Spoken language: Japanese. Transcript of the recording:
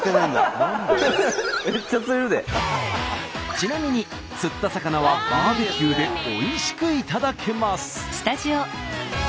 ちなみに釣った魚はバーベキューでおいしく頂けます。